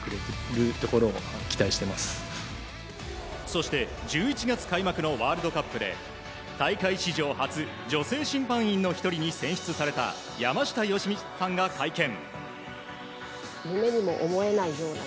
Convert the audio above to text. そして、１１月開幕のワールドカップで大会史上初、女性審判員の１人に選出された山下良美さんが会見。